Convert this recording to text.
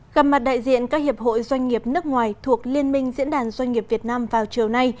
gặp mặt đại diện các hiệp hội doanh nghiệp nước ngoài thuộc liên minh diễn đàn doanh nghiệp việt nam vào chiều nay